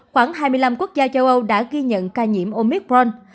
khoảng hai mươi năm quốc gia châu âu đã ghi nhận ca nhiễm omicron